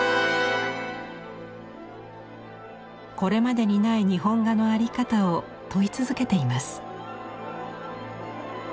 これまでにない日本画の在り方を問い続けています。